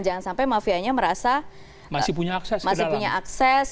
jangan sampai mafianya merasa masih punya akses ke dalam